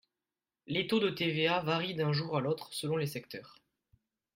Les taux de TVA varient d’un jour à l’autre selon les secteurs.